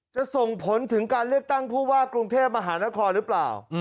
จะส่งผลถึงการเลือกตั้งผู้ว่ากรุงเทพมหานครหรือเปล่า